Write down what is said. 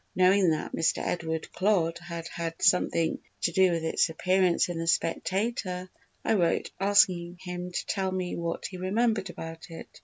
Knowing that Mr. Edward Clodd had had something to do with its appearance in the Spectator I wrote asking him to tell me what he remembered about it.